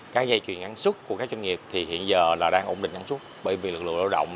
các dây chuyền ngắn xuất của các doanh nghiệp thì hiện giờ đang ổn định ngắn xuất bởi vì lực lượng lao động